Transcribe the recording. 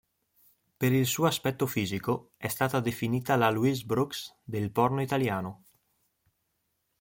Per il suo aspetto fisico è stata definita la Louise Brooks del porno italiano.